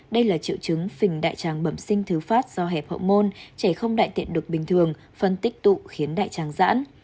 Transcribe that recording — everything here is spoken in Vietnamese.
đây là triệu chứng phình đại tràng bẩm sinh thứ phát do hẹp hậu môn trẻ không đại tiện được bình thường phân tích tụ khiến đại tràng giãn